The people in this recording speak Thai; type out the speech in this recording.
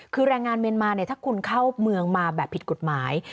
คือแรงงานเมียนมาเนี่ยถ้าคุณเข้าเมืองมาแบบผิดกฎหมาย